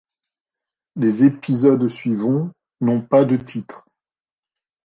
Les épisodes suivants n'ont pas de titre.